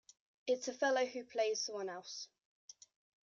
It's a fellow who plays someone else.